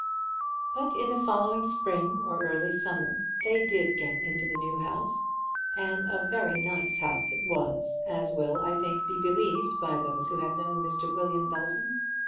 But in the following spring or early summer they did get into the new house; and a very nice house it was, as will, I think, be believed by those who have known Mr. William Belton.